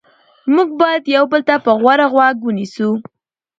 موږ باید یو بل ته په غور غوږ ونیسو